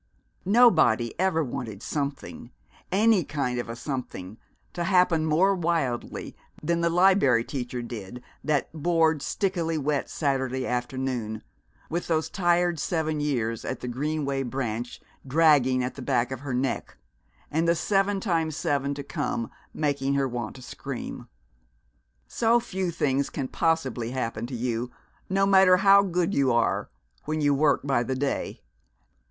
Nobody ever wanted something, any kind of a something, to happen more wildly than the Liberry Teacher did that bored, stickily wet Saturday afternoon, with those tired seven years at the Greenway Branch dragging at the back of her neck, and the seven times seven to come making her want to scream. So few things can possibly happen to you, no matter how good you are, when you work by the day.